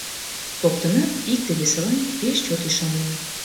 Коктынат икте-весылан пеш чот ӱшаненыт.